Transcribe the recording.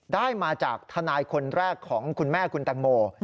ได้มาจากทนายคนแรกของคุณแม่คุณแตงโม